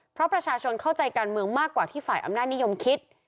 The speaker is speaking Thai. เพราะประชาชนเข้าใจการเมืองมากกว่าที่ฝ่ายอำนาจนิยมคิด